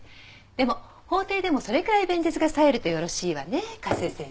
でも法廷でもそれくらい弁舌が冴えるとよろしいわね加瀬先生。